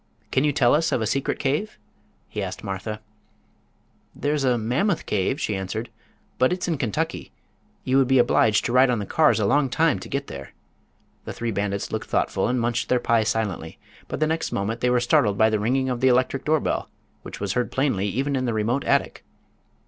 Can you tell us of a secret cave?" he asked Martha. "There's a Mammoth cave," she answered, "but it's in Kentucky. You would be obliged to ride on the cars a long time to get there." The three bandits looked thoughtful and munched their pie silently, but the next moment they were startled by the ringing of the electric doorbell, which was heard plainly even in the remote attic.